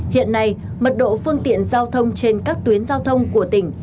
hiện nay mật độ phương tiện giao thông trên các tuyến giao thông của tỉnh